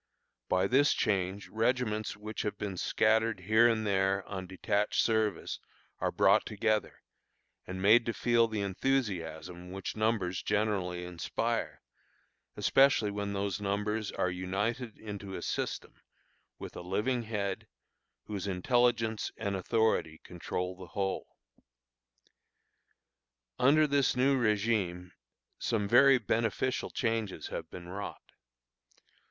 By this change regiments which have been scattered here and there on detached service are brought together, and made to feel the enthusiasm which numbers generally inspire, especially when those numbers are united into a system, with a living head, whose intelligence and authority control the whole. Under this new régime some very beneficial changes have been wrought.